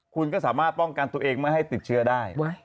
คุณก็สามารถป้องกันตัวเองไม่ให้ติดเชื้อได้